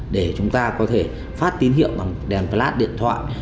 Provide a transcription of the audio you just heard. để chúng ta có thể phát tín hiệu bằng đèn plat điện thoại